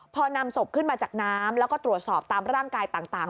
พอนำศพขึ้นมาจากน้ำแล้วก็ตรวจสอบตามร่างกายต่าง